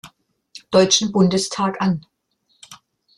Deutschen Bundestag an.